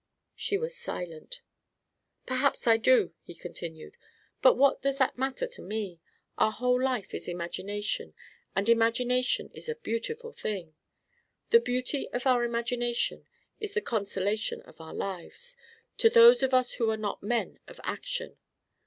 She was silent. "Perhaps I do," he continued. "But what does that matter to me? Our whole life is imagination; and imagination is a beautiful thing. The beauty of our imagination is the consolation of our lives, to those of us who are not men of action.